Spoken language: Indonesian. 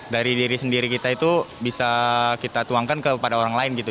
dari diri sendiri kita itu bisa kita tuangkan kepada orang lain gitu